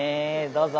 どうぞ。